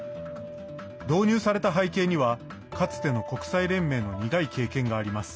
導入された背景にはかつての国際連盟の苦い経験があります。